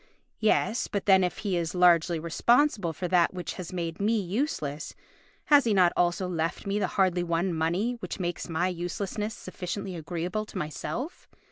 Yes, but then if he is largely responsible for that which has made me useless, has he not also left me the hardly won money which makes my uselessness sufficiently agreeable to myself?